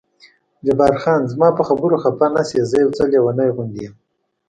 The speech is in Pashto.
جبار خان: زما په خبرو خفه نه شې، زه یو څه لېونی غوندې یم.